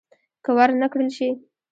که ور نه کړل شي.